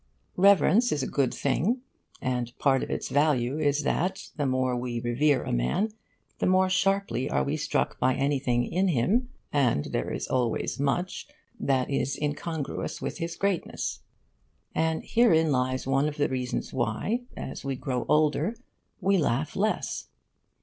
Reverence is a good thing, and part of its value is that the more we revere a man, the more sharply are we struck by anything in him (and there is always much) that is incongruous with his greatness. And herein lies one of the reasons why as we grow older we laugh less.